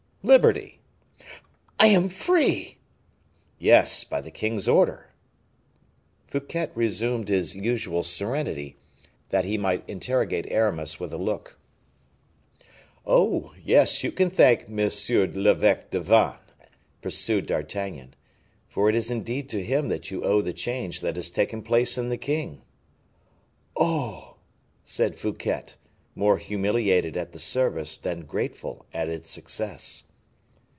"Liberty." "I am free!" "Yes; by the king's order." Fouquet resumed his usual serenity, that he might interrogate Aramis with a look. "Oh! yes, you can thank M. l'eveque de Vannes," pursued D'Artagnan, "for it is indeed to him that you owe the change that has taken place in the king." "Oh!" said Fouquet, more humiliated at the service than grateful at its success.